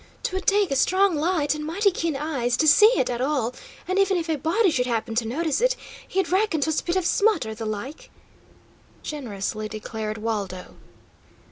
"'Twould take a strong light and mighty keen eyes to see it at all, and even if a body should happen to notice it, he'd reckon 'twas a bit of smut, or the like," generously declared Waldo.